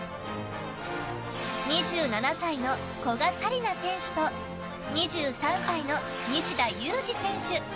２７歳の古賀紗理那選手と２３歳の西田有志選手。